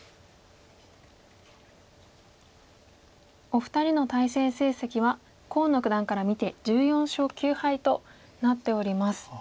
お二人の対戦成績は河野九段から見て１４勝９敗となっております。